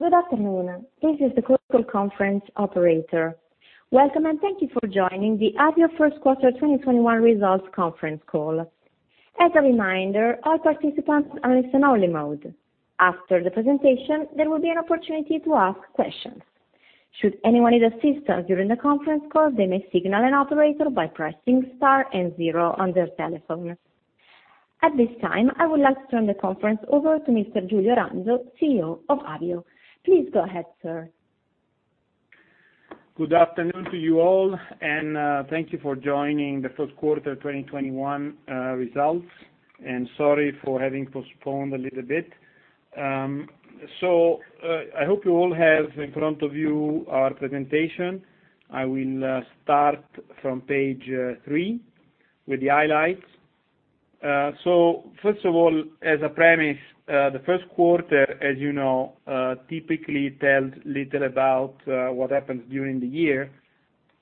Good afternoon. This is the Chorus Call conference operator. Welcome, and thank you for joining the Avio first quarter 2021 results conference call. As a reminder, all participants are in listen-only mode. After the presentation, there will be an opportunity to ask questions. Should anyone need assistance during the conference call, they may signal an operator by pressing Star and Zero on their telephone. At this time, I would like to turn the conference over to Mr. Giulio Ranzo, CEO of Avio. Please go ahead, sir. Good afternoon to you all. Thank you for joining the first quarter 2021 results. Sorry for having postponed a little bit. I hope you all have in front of you our presentation. I will start from page three with the highlights. First of all, as a premise, the first quarter, as you know, typically tells little about what happens during the year.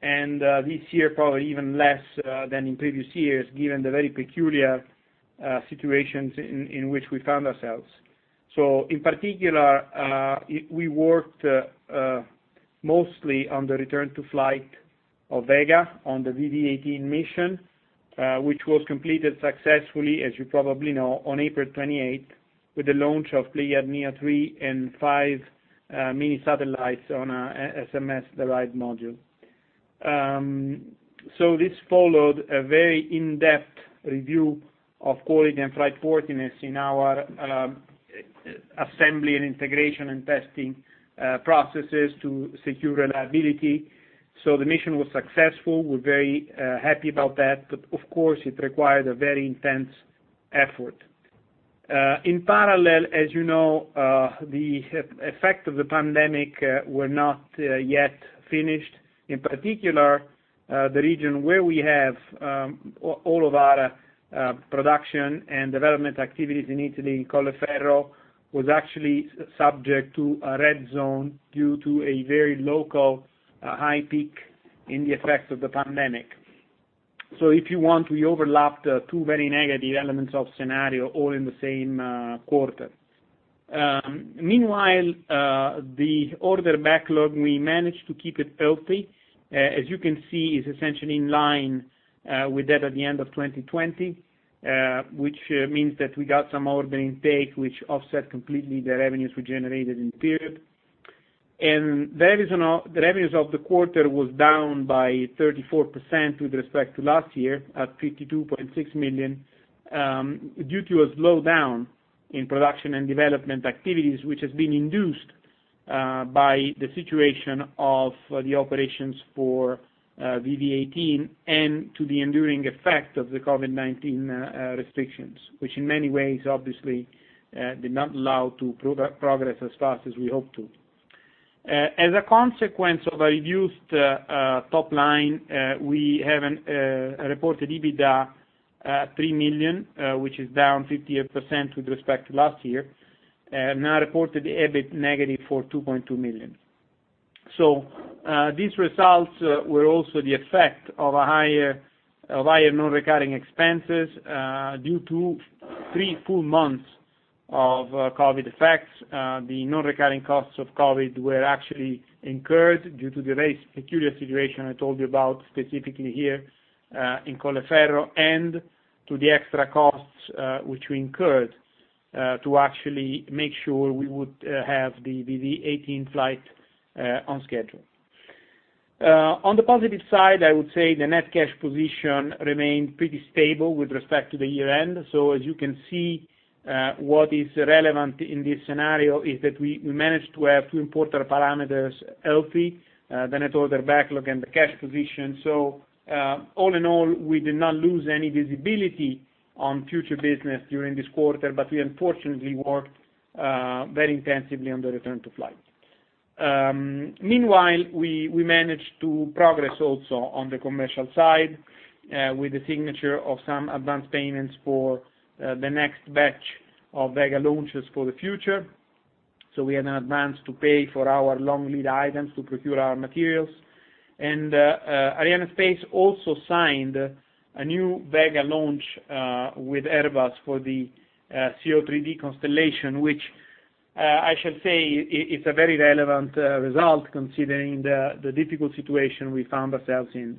This year, probably even less than in previous years, given the very peculiar situations in which we found ourselves. In particular, we worked mostly on the return to flight of Vega on the VV 18 mission, which was completed successfully, as you probably know, on April 28th, with the launch of Pléiades Neo three + five mini satellites on an SSMS derived module. This followed a very in-depth review of quality and flight worthiness in our assembly and integration and testing processes to secure reliability. The mission was successful. We're very happy about that. Of course, it required a very intense effort. In parallel, as you know, the effect of the pandemic were not yet finished. In particular, the region where we have all of our production and development activities in Italy, in Colleferro, was actually subject to a red zone due to a very local high peak in the effects of the pandemic. If you want, we overlapped two very negative elements of scenario all in the same quarter. Meanwhile, the order backlog, we managed to keep it healthy. As you can see, it's essentially in line with that at the end of 2020. Which means that we got some order intake, which offset completely the revenues we generated in period. The revenues of the quarter was down by 34% with respect to last year, at 52.6 million, due to a slowdown in production and development activities, which has been induced by the situation of the operations for VV 18 and to the enduring effect of the COVID-19 restrictions. Which in many ways, obviously, did not allow to progress as fast as we hoped to. As a consequence of a reduced top line, we have reported EBITDA at 3 million, which is down 58% with respect to last year, and now reported EBIT negative for 2.2 million. These results were also the effect of a higher non-recurring expenses due to three full months of COVID effects. The non-recurring costs of COVID-19 were actually incurred due to the very peculiar situation I told you about, specifically here in Colleferro, and to the extra costs which we incurred to actually make sure we would have the VV18 flight on schedule. On the positive side, I would say the net cash position remained pretty stable with respect to the year-end. As you can see, what is relevant in this scenario is that we managed to have two important parameters healthy, the net order backlog and the cash position. All in all, we did not lose any visibility on future business during this quarter, but we unfortunately worked very intensively on the return to flight. Meanwhile, we managed to progress also on the commercial side with the signature of some advanced payments for the next batch of Vega launches for the future. We had an advance to pay for our long lead items to procure our materials. Arianespace also signed a new Vega launch with Airbus for the CO3D constellation, which I should say it's a very relevant result considering the difficult situation we found ourselves in.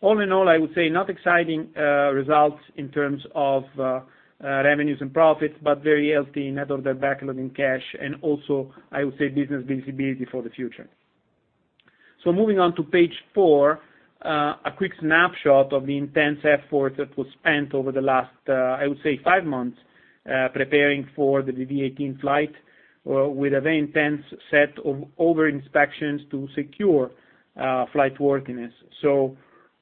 All in all, I would say not exciting results in terms of revenues and profits, but very healthy net order backlog in cash and also, I would say business visibility for the future. Moving on to page four, a quick snapshot of the intense effort that was spent over the last, I would say five months, preparing for the VV 18 flight with a very intense set of over inspections to secure flight worthiness.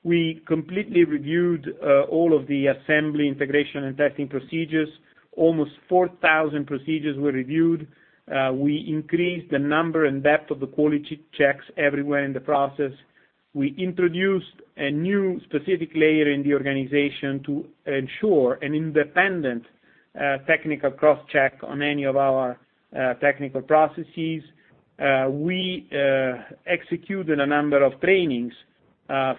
We completely reviewed all of the assembly, integration, and testing procedures. Almost 4,000 procedures were reviewed. We increased the number and depth of the quality checks everywhere in the process. We introduced a new specific layer in the organization to ensure an independent technical cross-check on any of our technical processes. We executed a number of trainings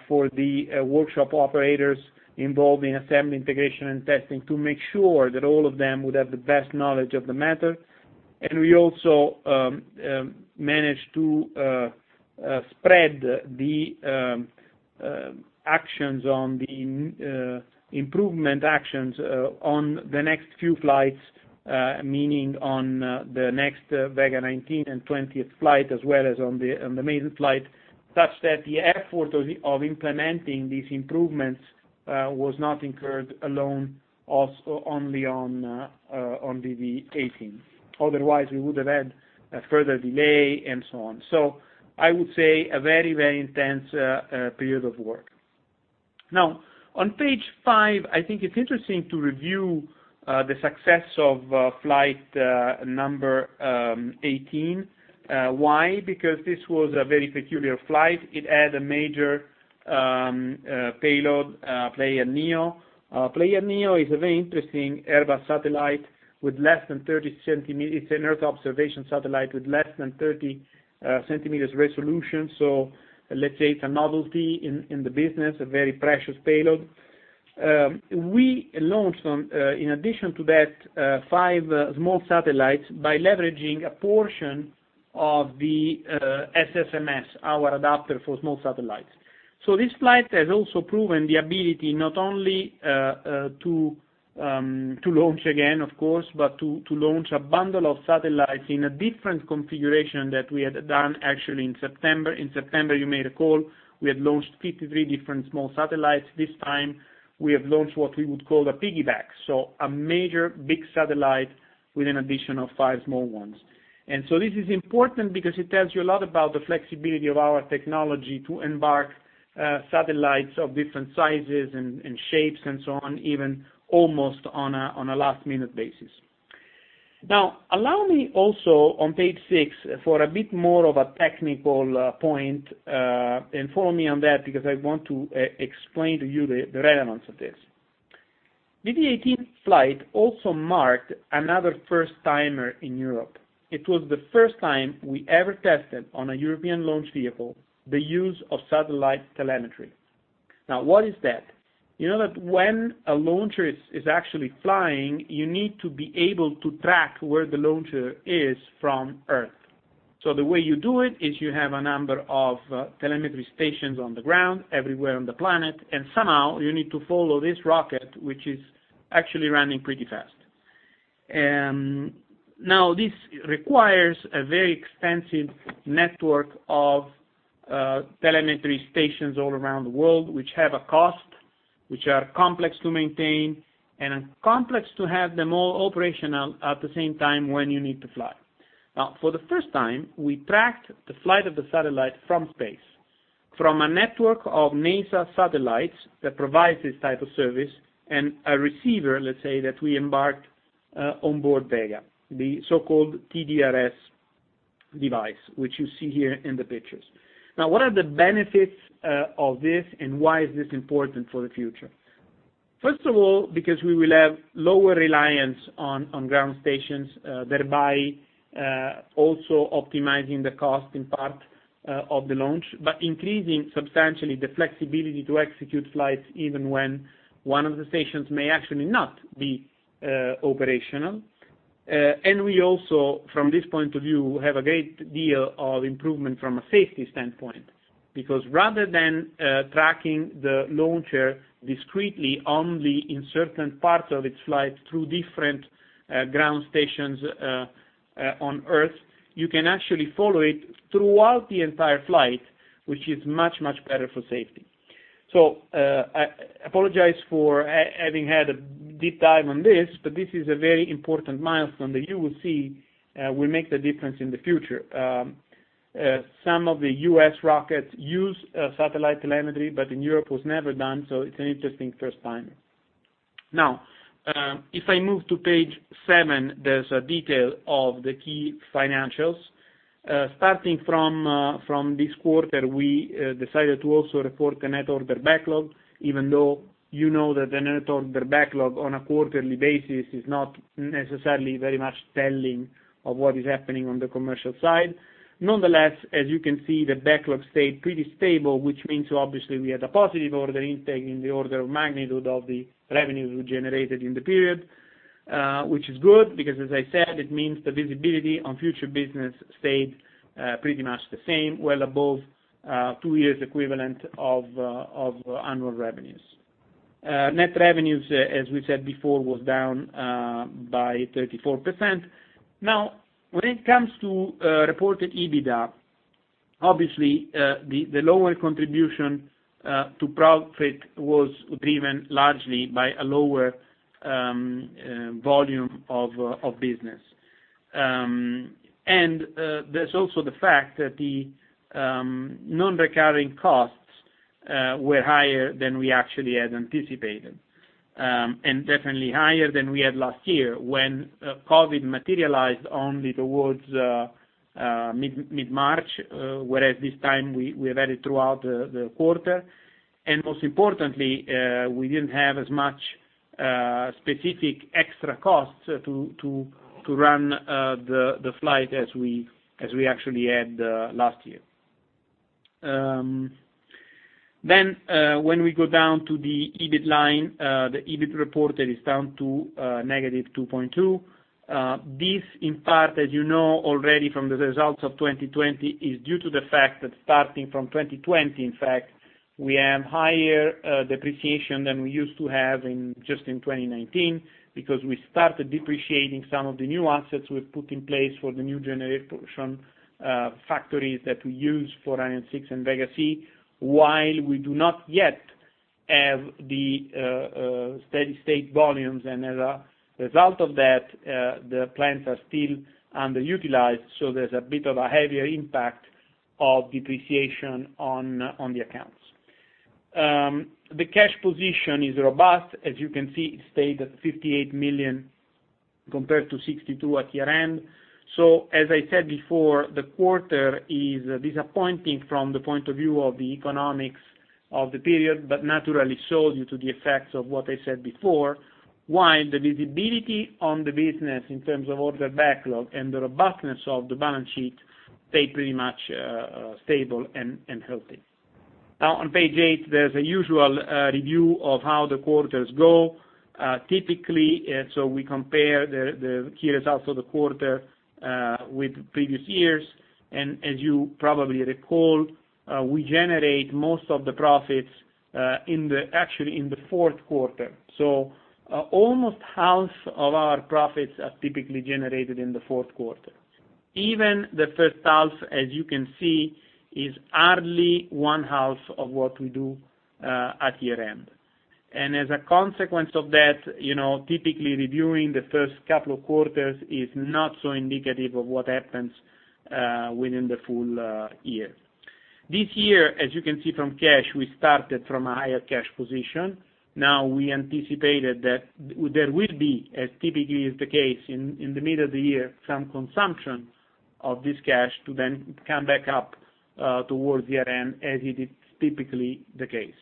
for the workshop operators involved in assembly, integration, and testing to make sure that all of them would have the best knowledge of the matter. We also managed to spread the improvement actions on the next few flights, meaning on the next Vega 19 and 20th flight, as well as on the maiden flight, such that the effort of implementing these improvements was not incurred alone only on the 18th. We would have had a further delay and so on. I would say a very intense period of work. On page five, I think it's interesting to review the success of flight number 18. Why? Because this was a very peculiar flight. It had a major payload, Pléiades Neo. Pléiades Neo is a very interesting Airbus satellite. It's an earth observation satellite with less than 30 centimeters resolution. Let's say it's a novelty in the business, a very precious payload. We launched, in addition to that, five small satellites by leveraging a portion of the SSMS, our adapter for small satellites. This flight has also proven the ability not only to launch again, of course, but to launch a bundle of satellites in a different configuration that we had done actually in September. In September, you may recall, we had launched 53 different small satellites. This time, we have launched what we would call a piggyback. A major big satellite with an addition of five small ones. This is important because it tells you a lot about the flexibility of our technology to embark satellites of different sizes and shapes and so on, even almost on a last-minute basis. Now, allow me also on page six for a bit more of a technical point, and follow me on that because I want to explain to you the relevance of this. The 18th flight also marked another first-timer in Europe. It was the first time we ever tested on a European launch vehicle, the use of satellite telemetry. Now, what is that? You know that when a launcher is actually flying, you need to be able to track where the launcher is from Earth. The way you do it is you have a number of telemetry stations on the ground everywhere on the planet, and somehow you need to follow this rocket, which is actually running pretty fast. This requires a very extensive network of telemetry stations all around the world, which have a cost, which are complex to maintain, and are complex to have them all operational at the same time when you need to fly. For the first time, we tracked the flight of the satellite from space, from a network of NASA satellites that provide this type of service and a receiver, let's say, that we embarked onboard Vega, the so-called TDRS device, which you see here in the pictures. What are the benefits of this, and why is this important for the future? First of all, because we will have lower reliance on ground stations, thereby, also optimizing the cost in part of the launch, but increasing substantially the flexibility to execute flights, even when one of the stations may actually not be operational. We also, from this point of view, have a great deal of improvement from a safety standpoint, because rather than tracking the launcher discreetly only in certain parts of its flight through different ground stations on Earth, you can actually follow it throughout the entire flight, which is much, much better for safety. I apologize for having had a deep dive on this, but this is a very important milestone that you will see will make the difference in the future. Some of the U.S. rockets use satellite telemetry, but in Europe, it was never done, so it's an interesting first time. Now, if I move to page seven, there's a detail of the key financials. Starting from this quarter, we decided to also report the net order backlog, even though you know that the net order backlog on a quarterly basis is not necessarily very much telling of what is happening on the commercial side. Nonetheless, as you can see, the backlog stayed pretty stable, which means obviously we had a positive order intake in the order of magnitude of the revenues we generated in the period, which is good because, as I said, it means the visibility on future business stayed pretty much the same, well above two years equivalent of annual revenues. Net revenues, as we said before, was down by 34%. Now, when it comes to reported EBITDA, obviously, the lower contribution to profit was driven largely by a lower volume of business. There's also the fact that the non-recurring costs were higher than we actually had anticipated, and definitely higher than we had last year when COVID materialized only towards mid-March, whereas this time we had it throughout the quarter. Most importantly, we didn't have as much specific extra costs to run the flight as we actually had last year. When we go down to the EBIT line, the EBIT reported is down to negative 2.2. This in part as you know already from the results of 2020, is due to the fact that starting from 2020, in fact, we have higher depreciation than we used to have just in 2019, because we started depreciating some of the new assets we've put in place for the new generation factories that we use for Ariane 6 and Vega-C, while we do not yet have the steady state volumes. As a result of that, the plants are still underutilized, so there's a bit of a heavier impact of depreciation on the accounts. The cash position is robust. As you can see, it stayed at 58 million compared to 62 million at year-end. As I said before, the quarter is disappointing from the point of view of the economics of the period, but naturally so due to the effects of what I said before, while the visibility on the business in terms of order backlog and the robustness of the balance sheet, stay pretty much stable and healthy. Now on page eight, there's a usual review of how the quarters go. Typically, so we compare the key results of the quarter with previous years. As you probably recall, we generate most of the profits actually in the fourth quarter. Almost half of our profits are typically generated in the fourth quarter. Even the first half, as you can see, is hardly one half of what we do at year-end. As a consequence of that, typically reviewing the first couple of quarters is not so indicative of what happens within the full year. This year, as you can see from cash, we started from a higher cash position. We anticipated that there will be, as typically is the case in the mid of the year, some consumption of this cash to then come back up towards year-end as it is typically the case.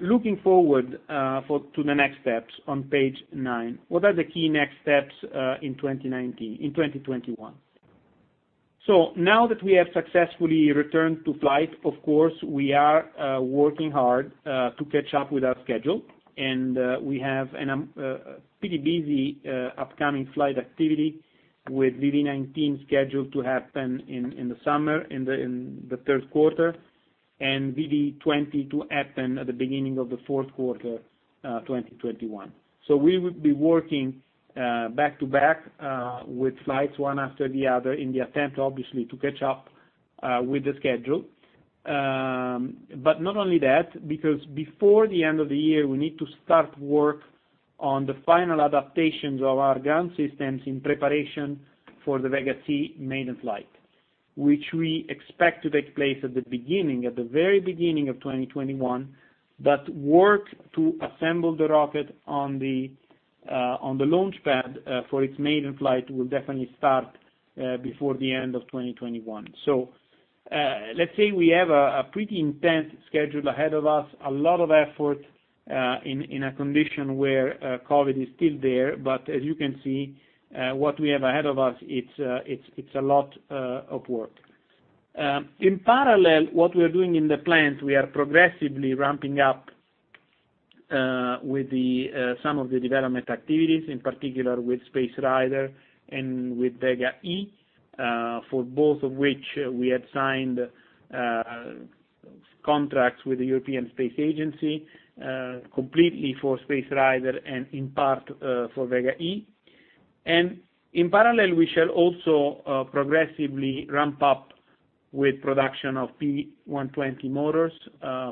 Looking forward to the next steps on page nine, what are the key next steps in 2021? Now that we have successfully returned to flight, of course, we are working hard to catch up with our schedule. We have a pretty busy upcoming flight activity with VV19 scheduled to happen in the summer, in the third quarter, and VV20 to happen at the beginning of the fourth quarter 2021. We would be working back-to-back with flights one after the other in the attempt, obviously, to catch up with the schedule. Not only that because before the end of the year, we need to start work on the final adaptations of our ground systems in preparation for the Vega-C maiden flight, which we expect to take place at the very beginning of 2021. Work to assemble the rocket on the launchpad for its maiden flight will definitely start before the end of 2021. Let's say we have a pretty intense schedule ahead of us, a lot of effort in a condition where COVID is still there. As you can see, what we have ahead of us, it's a lot of work. In parallel, what we're doing in the plant, we are progressively ramping up with some of the development activities, in particular with Space Rider and with Vega-E, for both of which we had signed contracts with the European Space Agency, completely for Space Rider and in part for Vega-E. In parallel, we shall also progressively ramp up with production of P120 motors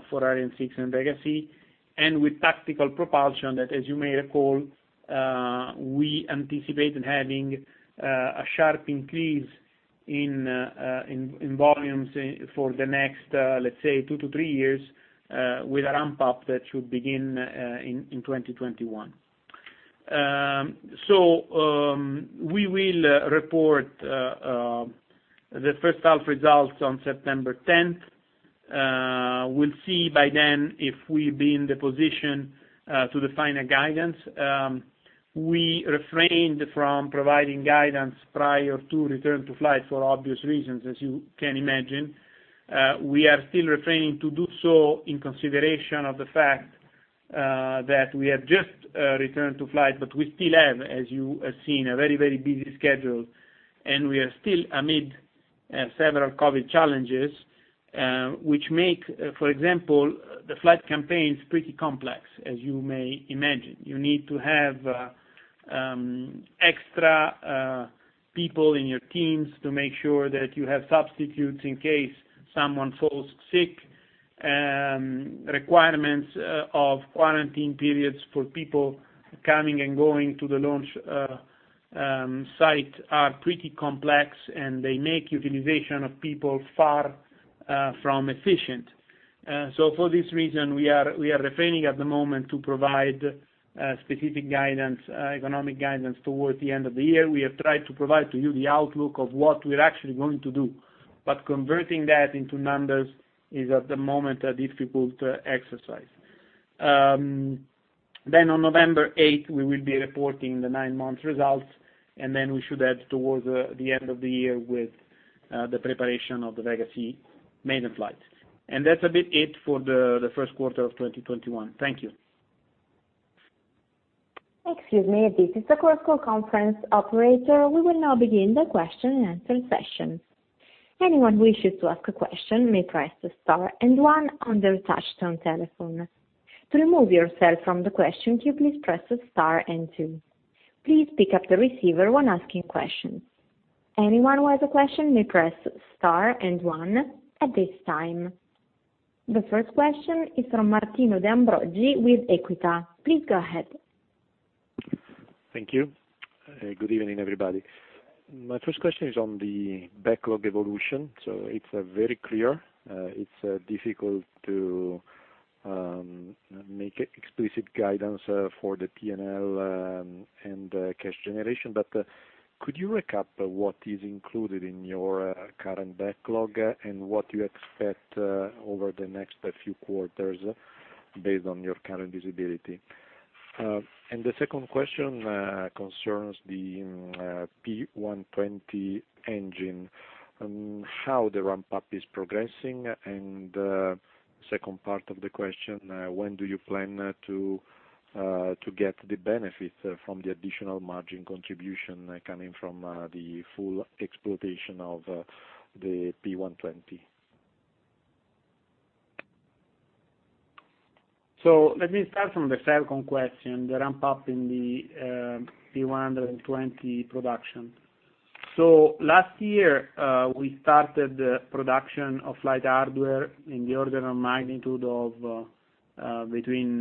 for Ariane 6 and Vega-C, and with tactical propulsion, that, as you may recall, we anticipate in having a sharp increase in volumes for the next, let's say, two to three years with a ramp-up that should begin in 2021. We will report the first half results on September 10th. We'll see by then if we'll be in the position to define a guidance. We refrained from providing guidance prior to return to flight for obvious reasons, as you can imagine. We are still refraining to do so in consideration of the fact that we have just returned to flight. We still have, as you have seen a very, very busy schedule. We are still amid several COVID-19 challenges, which make, for example, the flight campaigns pretty complex, as you may imagine. You need to have extra people in your teams to make sure that you have substitutes in case someone falls sick. Requirements of quarantine periods for people coming and going to the launch site are pretty complex. They make utilization of people far from efficient. For this reason, we are refraining at the moment to provide specific economic guidance towards the end of the year. We have tried to provide to you the outlook of what we're actually going to do. Converting that into numbers is at the moment a difficult exercise. On November 8th, we will be reporting the nine-month results, and then we should head towards the end of the year with the preparation of the Vega-C maiden flight. That's a bit it for the first quarter of 2021. Thank you. Excuse me, this is the Chorus Call Conference operator. We will now begin the question and answer session. Anyone who wishes to ask a question may press star and one on their touch-tone telephone. To remove yourself from the question queue, please press star and two. Please pick up the receiver when asking questions. Anyone who has a question may press star and one at this time. The first question is from Martino De Ambroggi with Equita. Please go ahead. Thank you. Good evening, everybody. My first question is on the backlog evolution. It's very clear. It's difficult to make explicit guidance for the P&L and cash generation. Could you recap what is included in your current backlog and what you expect over the next few quarters based on your current visibility? The second question concerns the P120C engine, how the ramp-up is progressing. Second part of the question, when do you plan to get the benefit from the additional margin contribution coming from the full exploitation of the P120C? Let me start from the second question, the ramp-up in the P120C production. Last year, we started the production of flight hardware in the order of magnitude of between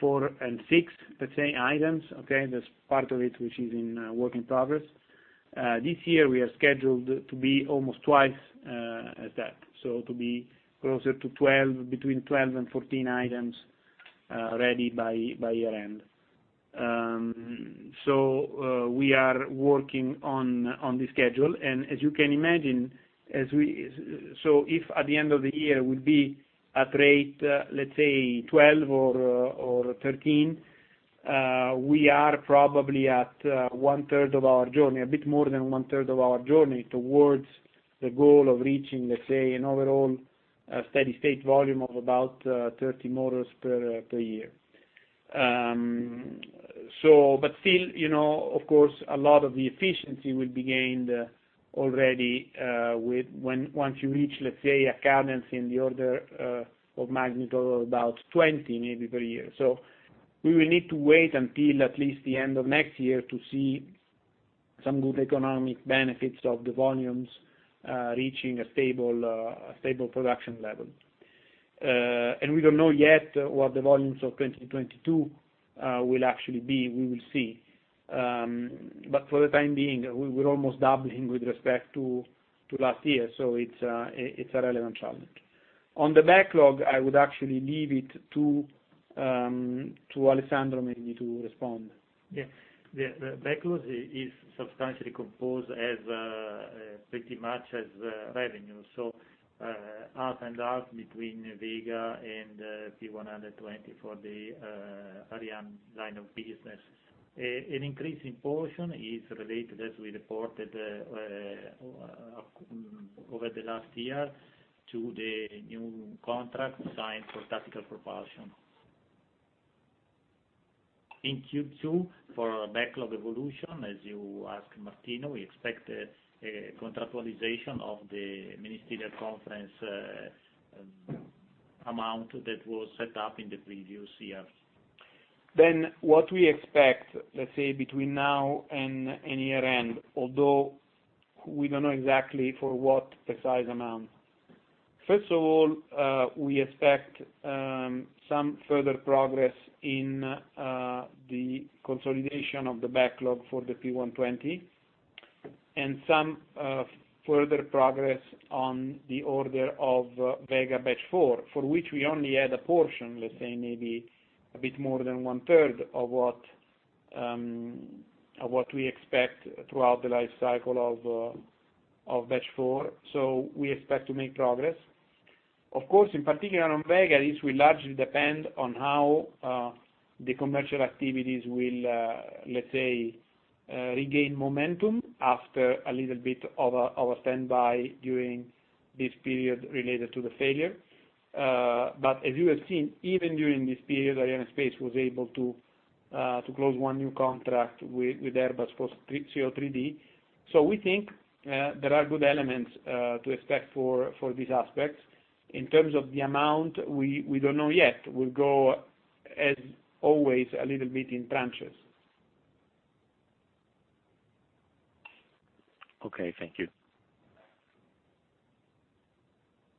four and six, let's say, items. Okay. There's part of it which is in work in progress. This year, we are scheduled to be almost twice as that. To be closer to 12, between 12 and 14 items ready by year-end. We are working on the schedule. As you can imagine, if at the end of the year we'll be at rate, let's say 12 or 13, we are probably at one third of our journey, a bit more than one third of our journey towards the goal of reaching, let's say, an overall steady state volume of about 30 motors per year. Of course, a lot of the efficiency will be gained already once you reach, let's say, a cadence in the order of magnitude of about 20 maybe per year. We will need to wait until at least the end of next year to see some good economic benefits of the volumes reaching a stable production level. We don't know yet what the volumes of 2022 will actually be. We will see. For the time being, we're almost doubling with respect to last year. It's a relevant challenge. On the backlog, I would actually leave it to Alessandro maybe to respond. Yes. The backlog is substantially composed as pretty much as revenue. Half and half between Vega and P120C for the Ariane line of business. An increase in portion is related, as we reported over the last year, to the new contract signed for tactical propulsion. In Q2, for our backlog evolution, as you asked, Martino, we expect a contractualization of the ministerial conference amount that was set up in the previous year. What we expect, let's say, between now and year-end, although we don't know exactly for what precise amount. First of all, we expect some further progress in the consolidation of the backlog for the P120C and some further progress on the order of Vega Batch four, for which we only had a portion, let's say maybe a bit more than one third of what we expect throughout the life cycle of Batch four. We expect to make progress. Of course, in particular on Vega, this will largely depend on how the commercial activities will, let's say, regain momentum after a little bit of a standby during this period related to the failure. As you have seen, even during this period, Arianespace was able to close one new contract with Airbus for CO3D. We think there are good elements to expect for these aspects. In terms of the amount, we don't know yet. We'll go as always, a little bit in tranches. Okay. Thank you.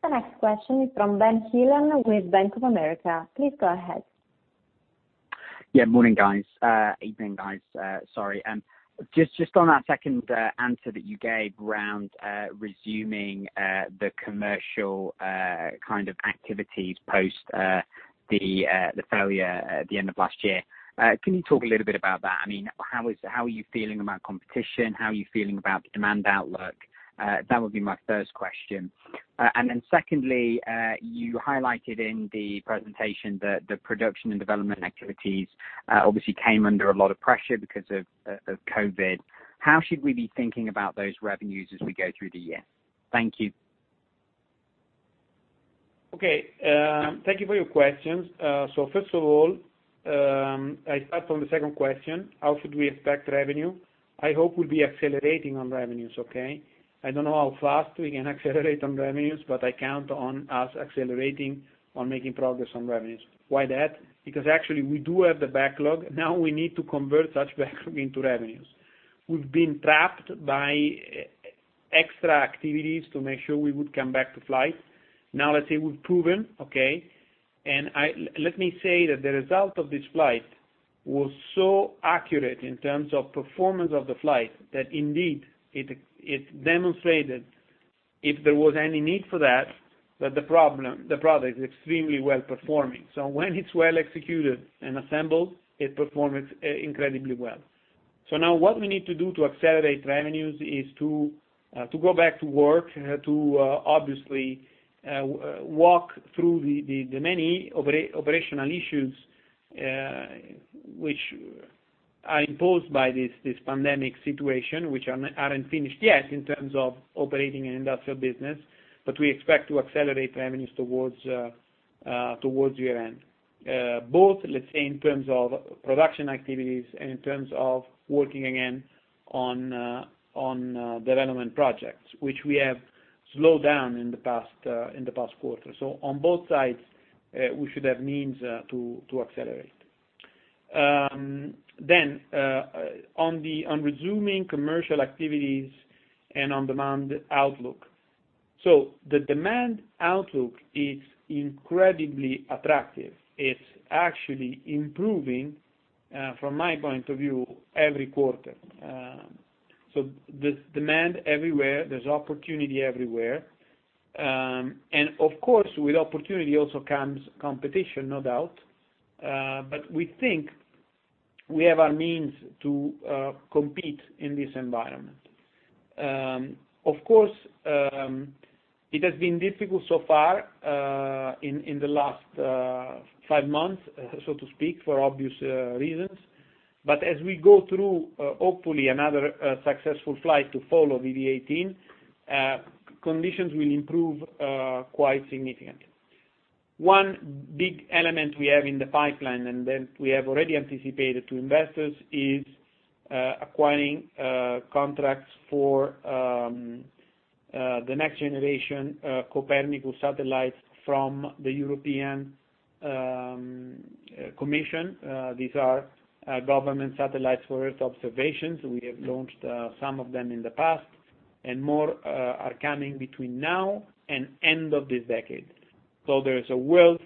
The next question is from Benjamin Heelan with Bank of America. Please go ahead. Yeah. Morning, guys. Evening, guys. Sorry. Just on that second answer that you gave around resuming the commercial kind of activities post the failure at the end of last year. Can you talk a little bit about that? How are you feeling about competition? How are you feeling about the demand outlook? That would be my first question. Secondly, you highlighted in the presentation that the production and development activities obviously came under a lot of pressure because of COVID. How should we be thinking about those revenues as we go through the year? Thank you. Okay. Thank you for your questions. First of all, I start from the second question, how should we expect revenue? I hope we'll be accelerating on revenues, okay? I don't know how fast we can accelerate on revenues, but I count on us accelerating on making progress on revenues. Why that? Actually, we do have the backlog. Now we need to convert such backlog into revenues. We've been trapped by extra activities to make sure we would come back to flight. Now, let's say we've proven, okay. Let me say that the result of this flight was so accurate in terms of performance of the flight, that indeed, it demonstrated, if there was any need for that the product is extremely well-performing. When it's well executed and assembled, it performs incredibly well. Now what we need to do to accelerate revenues is to go back to work, to obviously walk through the many operational issues which are imposed by this pandemic situation, which aren't finished yet in terms of operating an industrial business. We expect to accelerate revenues towards year-end. Both, let's say, in terms of production activities and in terms of working again on development projects, which we have slowed down in the past quarter. On both sides, we should have means to accelerate. On resuming commercial activities and on demand outlook. The demand outlook is incredibly attractive. It's actually improving, from my point of view, every quarter. There's demand everywhere, there's opportunity everywhere. Of course, with opportunity also comes competition, no doubt. We think we have our means to compete in this environment. Of course, it has been difficult so far in the last five months, so to speak, for obvious reasons. As we go through, hopefully, another successful flight to follow VV 18, conditions will improve quite significantly. One big element we have in the pipeline, and that we have already anticipated to investors, is acquiring contracts for the next generation Copernicus satellites from the European Commission. These are government satellites for Earth observations. We have launched some of them in the past, and more are coming between now and end of this decade. There is a wealth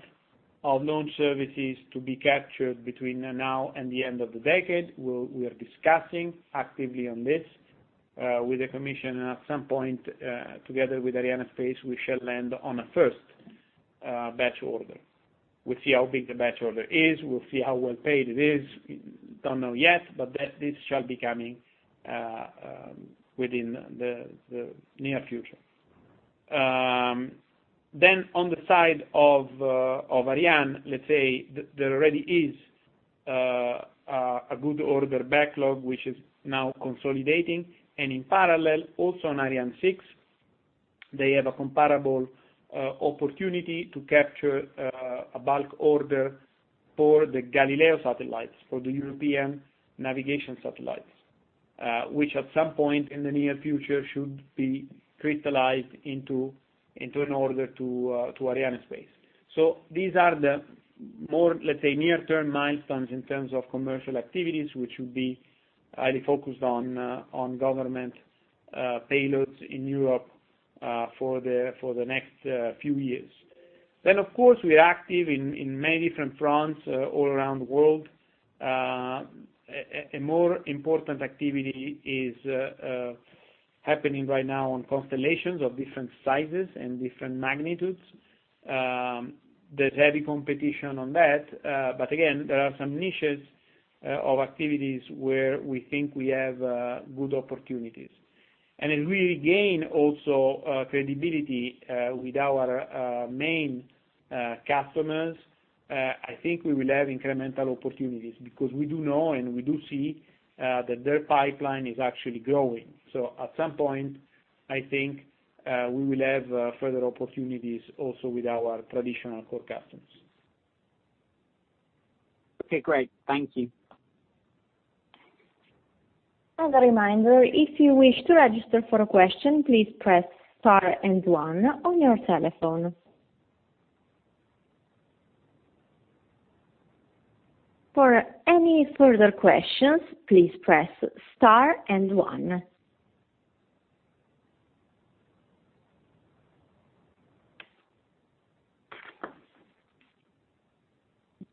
of launch services to be captured between now and the end of the decade. We are discussing actively on this with the commission, and at some point, together with Arianespace, we shall land on a first batch order. We'll see how big the batch order is. We'll see how well-paid it is. We don't know yet, but this shall be coming within the near future. On the side of Ariane, let's say, there already is a good order backlog, which is now consolidating. In parallel, also on Ariane 6, they have a comparable opportunity to capture a bulk order for the Galileo satellites, for the European navigation satellites, which at some point in the near future should be crystallized into an order to Arianespace. These are the more, let's say, near-term milestones in terms of commercial activities, which will be highly focused on government payloads in Europe for the next few years. Of course, we are active in many different fronts all around the world. A more important activity is happening right now on constellations of different sizes and different magnitudes. There's heavy competition on that. Again, there are some niches of activities where we think we have good opportunities. As we gain also credibility with our main customers, I think we will have incremental opportunities because we do know and we do see that their pipeline is actually growing. At some point, I think we will have further opportunities also with our traditional core customers. Okay, great. Thank you. As a reminder, if you wish to register for a question, please press star and one on your telephone. For any further questions, please press star and one.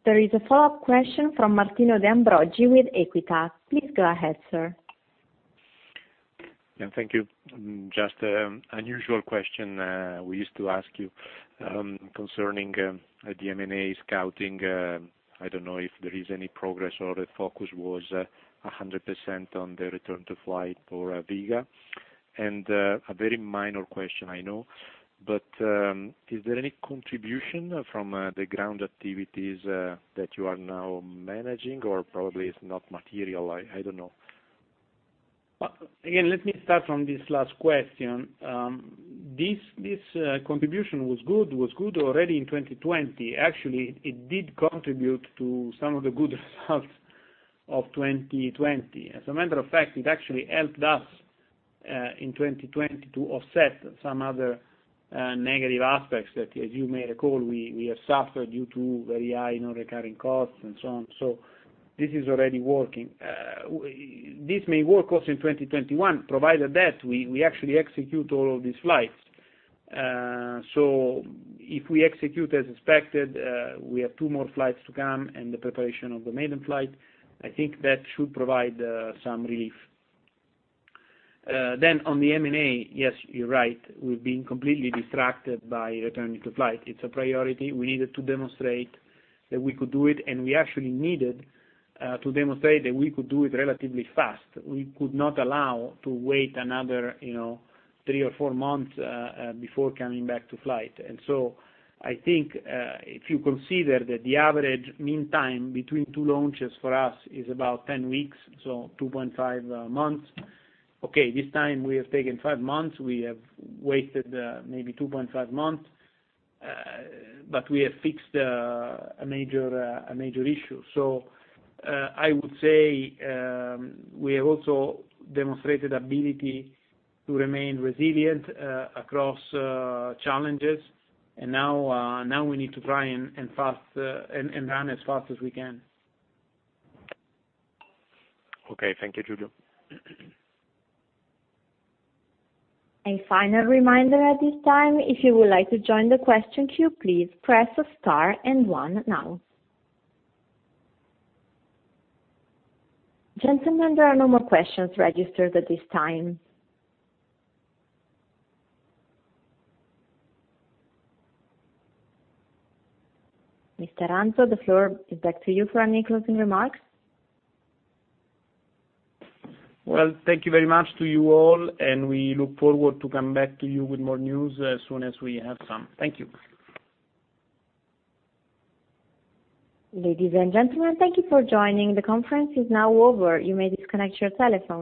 There is a follow-up question from Martino De Ambroggi with Equita. Please go ahead, sir. Yeah. Thank you. Just an unusual question we used to ask you concerning the M&A scouting. I don't know if there is any progress or the focus was 100% on the return to flight for Vega. A very minor question, I know, but is there any contribution from the ground activities that you are now managing or probably it's not material? I don't know. Let me start from this last question. This contribution was good already in 2020. Actually, it did contribute to some of the good results of 2020. As a matter of fact, it actually helped us in 2020 to offset some other negative aspects that, as you may recall, we have suffered due to very high non-recurring costs and so on. This is already working. This may work also in 2021, provided that we actually execute all of these flights. If we execute as expected, we have two more flights to come and the preparation of the maiden flight, I think that should provide some relief. On the M&A, yes, you're right. We've been completely distracted by returning to flight. It's a priority. We needed to demonstrate that we could do it, and we actually needed to demonstrate that we could do it relatively fast. We could not allow to wait another three or four months before coming back to flight. I think, if you consider that the average mean time between two launches for us is about 10 weeks, so 2.5 months. This time we have taken five months. We have waited maybe 2.5 months. We have fixed a major issue. I would say, we have also demonstrated ability to remain resilient across challenges, and now we need to try and run as fast as we can. Okay. Thank you, Giulio. and finally reminder at this time if you would like to join the queue please a press star and one now Gentlemen, there are no more questions registered at this time. Mr. Ranzo, the floor is back to you for any closing remarks. Well, thank you very much to you all, and we look forward to come back to you with more news as soon as we have some. Thank you. Ladies and gentlemen, thank you for joining. The conference is now over. You may disconnect your telephone.